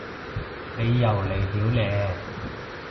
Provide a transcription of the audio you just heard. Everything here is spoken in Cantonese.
你又嚟料嘞